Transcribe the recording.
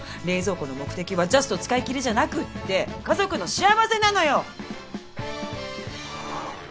冷蔵庫の目的はジャスト使い切りじゃなくって家族の幸せなのよ！